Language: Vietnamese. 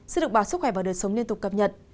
xin được báo sức khỏe và đời sống liên tục cập nhật